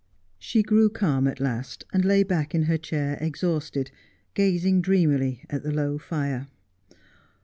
She grew calm at last, and lay back in her chair exhausted, gazing dreamily at the low fire.